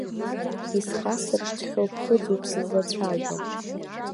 Исхасыршҭхьоу ԥхыӡуп сызлацәажәо.